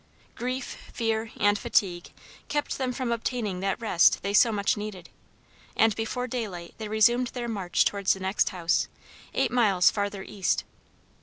Grief, fear, and fatigue kept them from obtaining that rest they so much needed, and before daylight they resumed their march towards the next house, eight miles farther east.